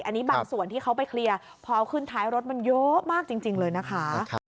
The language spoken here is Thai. อันนี้บางส่วนที่เขาไปเคลียร์พอเอาขึ้นท้ายรถมันเยอะมากจริงเลยนะคะ